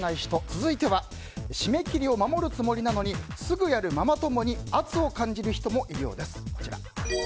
続いては締め切りを守るつもりなのにすぐやるママ友に圧を感じる人もいるようです。